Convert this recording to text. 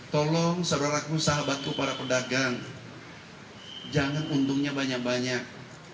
tolong saudaraku sahabatku para pedagang jangan untungnya banyak banyak